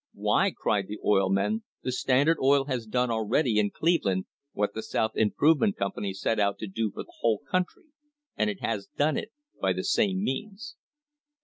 "Why," cried the oil men, "the Standard Oil Company has done already in Cleveland what the South Improvement Company set out to do for the whole country, and it has done it by the same means."